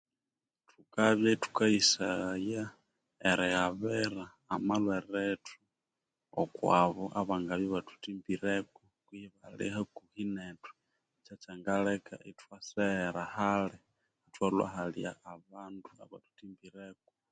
Thukabya ithukayisaghaya erighabiea amalwera ethi okwabu abathuthimbireku